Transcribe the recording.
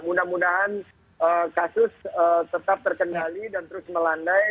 mudah mudahan kasus tetap terkendali dan terus melandai